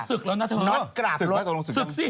สึกแล้วนะเธอสึกสิตอนนี้สึกแล้วครับพี่หนุ่มฮ่าน็อตกราบรถ